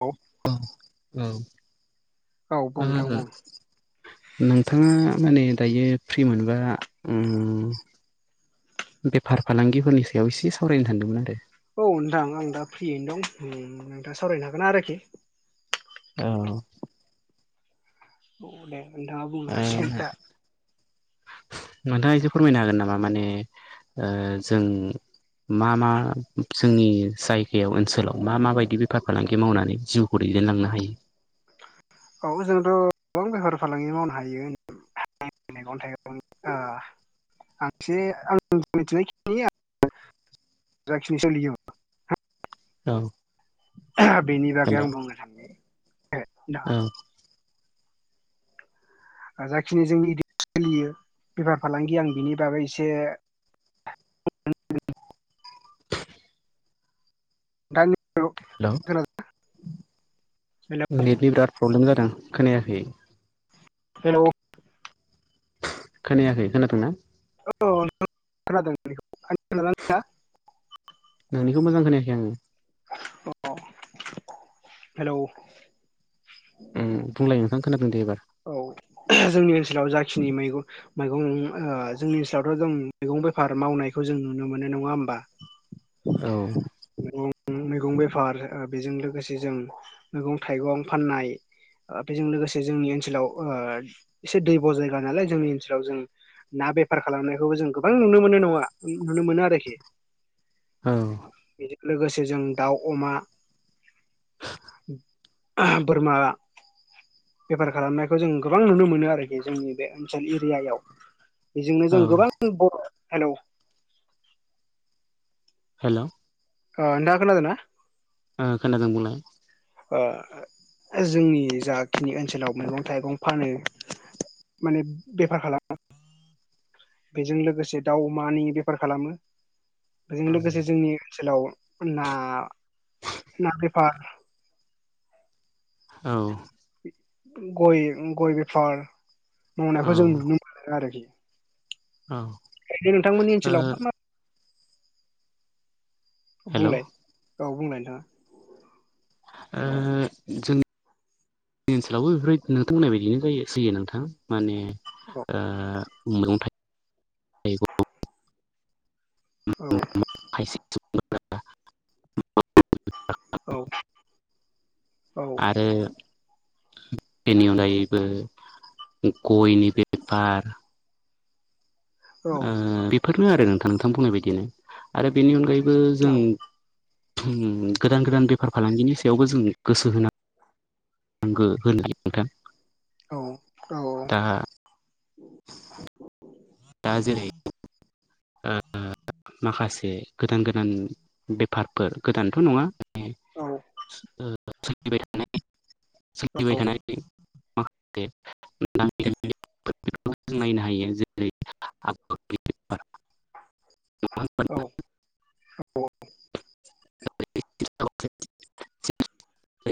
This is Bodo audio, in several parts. औ अ बुं औ मा नोंथां बुं जाखो नोंथाङा माने दायो फ्रि मोनबा आं बेफार फालांगिफोरनि सायाव एसे सावरायनो सान्दोंमोन आरो औ नोंथां आं दा फ्रियैनो दं नोंथाङा सावरायनो हागोन आरोखि औ अ दे नोंथाङा बुंनो ओ हासिगोनदा नोंथाङा एसे फोरमायनो हागोन नामा माने जों मा मा जोंनि जायगायाव ओनसोलाव मा माबायदि बेफार फालांगि मावनानै जिउ खौ दैदेन लांनो हायो औ जोंथ गोबां बेफार फालांगि मावनो हायो मैगं थाइगंनि [unintelligible] आं मिथिनायखिनि जाखिनि सोलियो औ बेनि बागै हेल' औ आं बुंनो थानि दा जाखिनि जोंनि इरियायाव सोलियो बेफार फालांगि आं बिनि बागै एसे हेलौ हेलौ नेटनि बिराद प्रब्लेम जादों खोनायाखै हेलौ खोनायाखै खोनादोंंना औ खोनादों नोंनिखौ नोंनिखौ मोजां खोनायाखै आङो अ हेलौ उम बुंलाय नोंथां खोनादों दे एबार औ जोंनि ओनसोलाव जाखिनि मैगं मैगं ओ जोंनि ओनसोलावथ जों मैगं बेफार मावनायखौ जों नुनो मोनो नङा होमबा औ मैगं बेफार बेजों लोगोसे जों मैगं थाइगं फाननाय बेजों लोगोसे जोंनि ओनसोलाव ओ एसे दैब जायगा नालाय जोंनि ओनसोलाव जों ना बेफार खालामनायखौबो जों गोबां नुनो मोनो नङा नुनो मोनो आरोखि औ बेजों लोगोसे जों दाउ अमा बोरमा बेफार खालामनायखौ जों गोबां नुनो मोनो आरोखि जोंनि बे ओनसोल एरियायाव बेजोंनो औ जों गोबां बर' हेलौ हेलौ ओ नोंथाङा खोनादोंना ओ खोनादों बुंलाय बा जोंनि जाखिनि ओनसोलाव मैगं थाइगं फानो माने बेफार खालामो बेजों लोगोसे दाउ अमानि बेफार खालामो बेजों औ लोगोसे जोंनि ओनसोलाव ना ना बेफार औ गय गय बेफार औ मावनायखौ जों नुनो मोनो आरोखि औ ओरैनो नोंथांमोन ओ ओनसोलाव मा मा हेलौ बुंलाय औ बुंलाय नोंथाङा ओ जोंनि ओनसोलावबो बेफोर नोंथां बुंनाय बायदिनो जयो सैयो नोंथां माने औ ओ मैगं थाइगं औ [unintelligible] औ औ ओ बेनि अनगायैबो गयनि बेफार औ ओ बेफोरनो आरो नोंथां नोंथां बुंनाय बायदिनो आरो बेनि अनगायैबो जों गोदान गोदान बेफार फालांगिनि सायावबो जों गोसो होना गो होनो नोंथां औ औ आ [inaudible] दा जेरै ओ माखासे गोदान गोदान बेफारफोर गोदानथ नङा माने ओ सोलिबायथानाय सोलिबायथानाय [unintelligible] बेफोरखौ जों नायनो हायो जेरै बेफार नङा होनबा औ [unintelligible]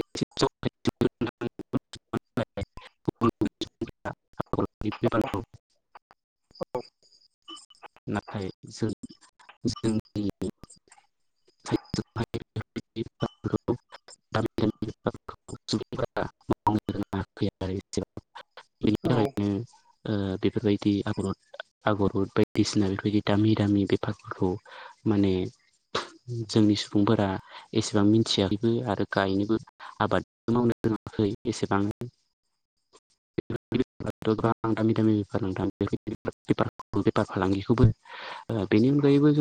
नाथाय जों जों [unintelligible] औ [unintelligible] नाथाय जों जोंनि सायदजोंहाय [unintelligible] [unintelligible] [unintelligible] औ ओ बेफोरबायदि आगर आगरफोर बायदि [unintelligible] बिसिना बेफोरबायदि दामि दामि बेफारफोरखौ माने जोंनि सुबुंफोरा एसेबां मिथियाखैबो आरो गायनोबो आबादखौ मावनायखै एसेबां [unintelligible] बेफार फालांगिखौबो ओ बेनि अनगायैबो जों